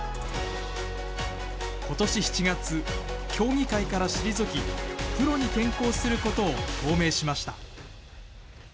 ことし７月、競技会から退き、プロに転向することを表明しました。